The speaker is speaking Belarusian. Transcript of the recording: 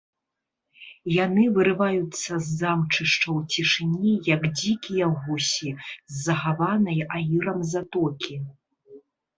Яны вырываюцца з замчышчаў цішыні, як дзікія гусі з захаванай аірам затокі.